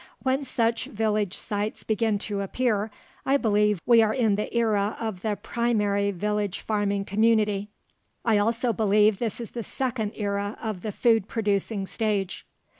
When such village sites begin to appear, I believe we are in the era of the primary village farming community. I also believe this is the second era of the food producing stage.